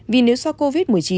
vì nếu so với covid một mươi chín